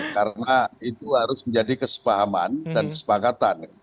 karena itu harus menjadi kesepakaman dan kesepakatan